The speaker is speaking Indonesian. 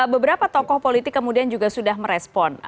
beberapa tokoh politik kemudian juga sudah merespon